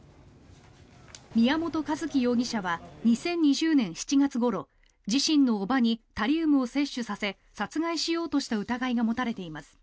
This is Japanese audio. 宮本一希容疑者は２０２０年７月ごろ自身の叔母にタリウムを摂取させ殺害しようとした疑いが持たれています。